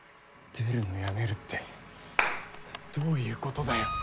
出るのやめるってどういうことだよ